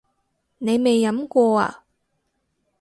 你未飲過呀？